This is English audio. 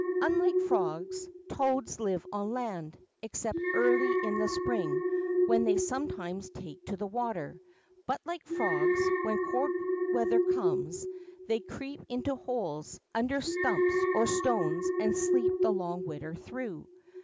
Unlike frogs, toads live on land, except early in the spring, when they sometimes take to the water. But like frogs, when cold weather comes, they crec]) into holes, under stumps or stones, and sleep the long winter through.